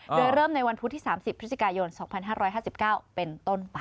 โดยเริ่มในวันพุธที่๓๐พฤศจิกายน๒๕๕๙เป็นต้นไป